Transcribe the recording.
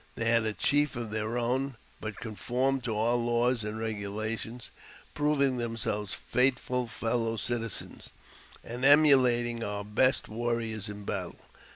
They had a chief of their own, but con formed to our laws and regulations, proving themselves i&ith iul fellow citizens, and emulating our best warriors in battle.